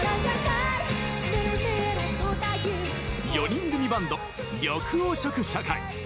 ４人組バンド、緑黄色社会。